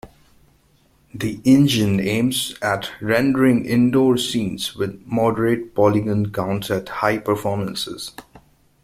The engine aims at rendering indoor scenes with moderate polygon counts at high performances.